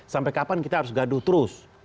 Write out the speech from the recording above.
sampai kapan kita harus gaduh terus